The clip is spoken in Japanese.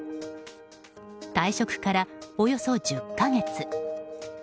退職から、およそ１０か月。